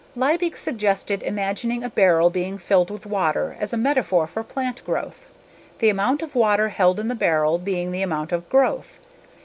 Liebig suggested imagining a barrel being filled with water as a metaphor for plant growth: the amount of water held in the barrel being the amount of growth.